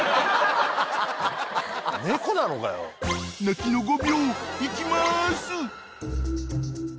［泣きの５秒いきます］